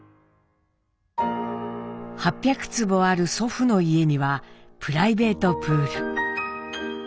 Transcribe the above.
８００坪ある祖父の家にはプライベートプール。